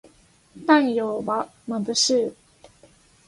太陽はまぶしい